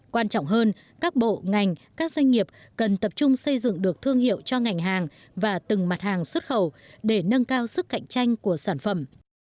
quan trọng hơn các bộ ngành các doanh nghiệp cần tập trung xây dựng được thương hiệu cho ngành hàng và từng mặt hàng xuất khẩu để nâng cao sức cạnh tranh của sản phẩm